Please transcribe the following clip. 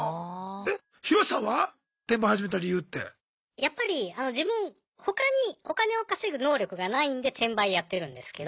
やっぱり自分他にお金を稼ぐ能力がないんで転売やってるんですけど。